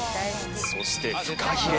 そしてフカヒレ。